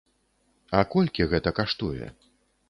А колькі гэта каштуе?